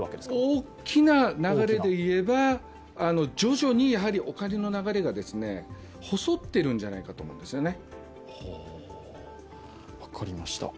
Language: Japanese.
大きな流れで言えば、徐々にお金の流れが細っているんじゃないかと思うんですよね。